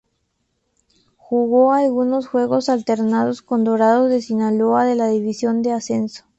Jugó algunos juegos alternados con Dorados de Sinaloa de la División de ascenso.